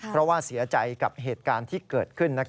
เพราะว่าเสียใจกับเหตุการณ์ที่เกิดขึ้น